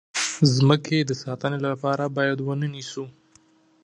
د مځکې د ساتنې لپاره باید ونه نیسو.